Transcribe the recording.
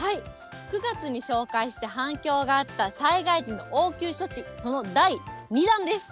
９月に紹介して反響があった災害時の応急処置、その第２弾です。